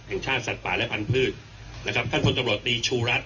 แห่งชาติสัตว์ฝ่ายและพันธ์พลเลยครับท่านท่านจำลอดตีชูรัช